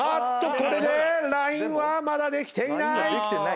これでラインはまだできていない！